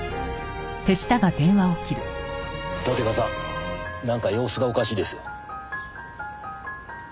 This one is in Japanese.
騨手川さんなんか様子がおかしいですよ。